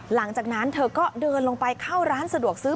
หลังจากนั้นเธอก็เดินลงไปเข้าร้านสะดวกซื้อ